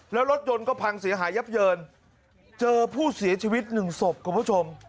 แล้วรถยนต์ก็พังเสียหายยับเยินเจอผู้เสียชีวิตหนึ่งศพคุณผู้ชม